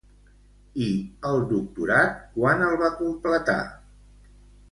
I el doctorat quan el va completar?